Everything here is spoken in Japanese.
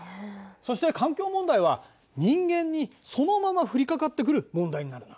そして環境問題は人間にそのまま降りかかってくる問題になるんだ。